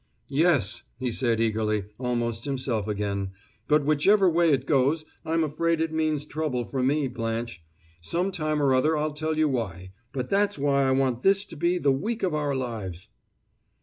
"Yes!" he said eagerly, almost himself again. "But, whichever way it goes, I'm afraid it means trouble for me, Blanche; some time or other I'll tell you why; but that's why I want this to be the week of our lives."